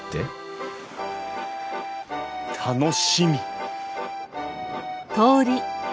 楽しみ。